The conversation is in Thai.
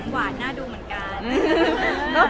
หวานน่าดูเหมือนกัน